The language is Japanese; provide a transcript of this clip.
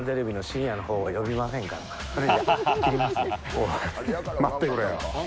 おい、待ってくれよ。